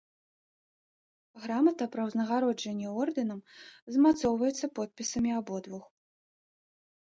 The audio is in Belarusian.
Грамата пра ўзнагароджанне ордэнам змацоўваецца подпісамі абодвух.